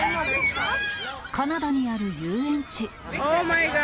カナダにある遊園地。